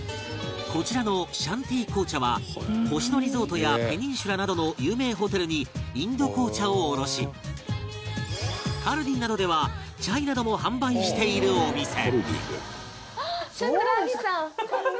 こちらのシャンティ紅茶は星野リゾートやペニンシュラなどの有名ホテルにインド紅茶を卸しカルディなどではチャイなども販売しているお店